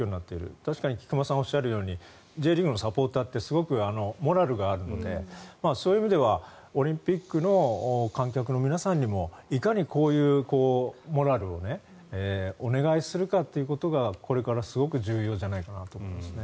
確かに菊間さんがおっしゃるようにＪリーグのサポーターってすごくモラルがあるのでそういう意味ではオリンピックの観客の皆さんにもいかにこういうモラルをお願いするかということがこれからすごく重要じゃないかなと思いますね。